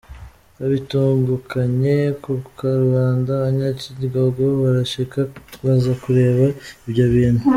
Babitungukanye ku karubanda, abanyacyingogo barashika baza kureba ibyo bintu.